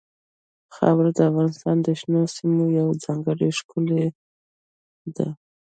خاوره د افغانستان د شنو سیمو یوه ډېره ښکلې ښکلا ده.